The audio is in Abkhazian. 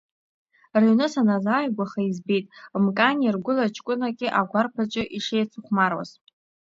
Рыҩны саназааигәаха, избеит, Мкани ргәыла ҷкәынаки агәарԥ аҿы ишеицыхәмаруаз.